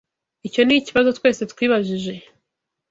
Icyo nikibazo twese twibajije.